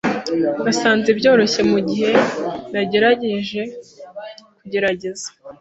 Nasanze byoroshye mugihe nagerageje kugerageza.